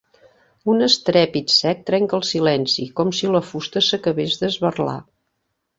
Un estrèpit sec trenca el silenci, com si la fusta s'acabés d'esberlar.